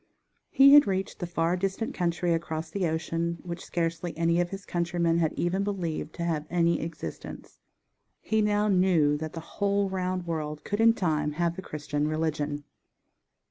_ He had reached the far distant country across the ocean, which scarcely any of his countrymen had even believed to have any existence. He now knew that the whole round world could in time have the Christian religion.